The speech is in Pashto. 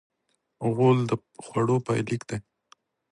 غول د خوړو پای لیک دی.